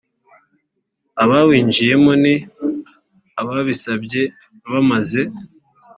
Abawinjiyemo ni ababisabye bamaze